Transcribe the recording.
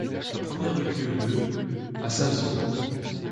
La première eut lieu le à Salzbourg.